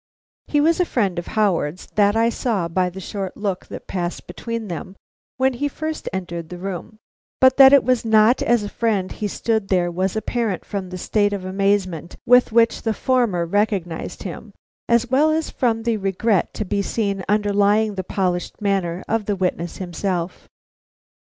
He was a friend of Howard's, that I saw by the short look that passed between them when he first entered the room; but that it was not as a friend he stood there was apparent from the state of amazement with which the former recognized him, as well as from the regret to be seen underlying the polished manner of the witness himself.